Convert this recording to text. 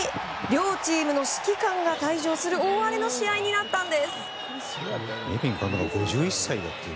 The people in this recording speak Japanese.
両チームの指揮官が退場する大荒れの試合になったんです。